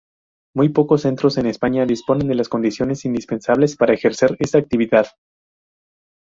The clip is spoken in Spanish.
Muy pocos centros en España disponen de las condiciones indispensables para ejercer esta actividad.